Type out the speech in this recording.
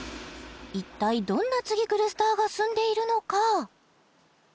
一体どんな次くるスターが住んでいるのか？